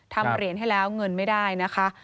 ทำเหรียญให้แล้วเงินไม่ได้นะคะ